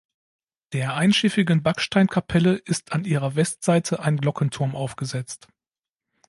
Der einschiffigen Backsteinkapelle ist an ihrer Westseite ein Glockenturm aufgesetzt.